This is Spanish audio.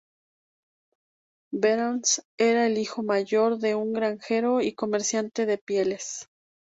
Behrens era el hijo mayor de un granjero y comerciante de pieles.